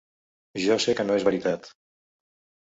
Jo sé que no és veritat.